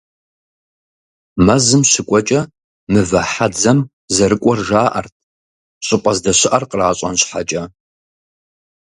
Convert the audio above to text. Мэзым щыкӀуэкӀэ, «Мывэ хьэдзэм» зэрыкӀуэр жаӀэрт, щӀыпӀэ здэщыӀэр къращӀэн щхьэкӀэ.